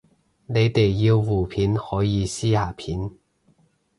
你哋要互片可以私下片